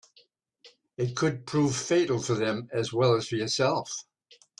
It could prove fatal for them as well as yourself.